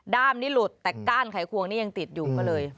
้ามนี้หลุดแต่ก้านไขควงนี่ยังติดอยู่ก็เลย